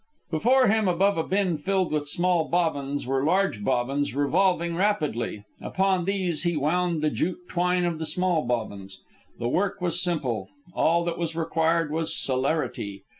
Before him, above a bin filled with small bobbins, were large bobbins revolving rapidly. Upon these he wound the jute twine of the small bobbins. The work was simple. All that was required was celerity.